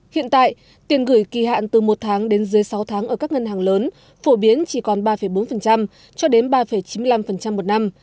hiện tại tiền gửi kỳ hạn từ một tháng đến dưới sáu tháng ở các ngân hàng lớn phổ biến chỉ còn ba bốn cho đến ba chín mươi năm một năm